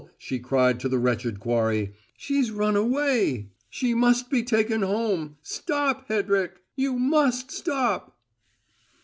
she cried to the wretched quarry. "She's run away. She must be taken home. Stop, Hedrick! You must stop!"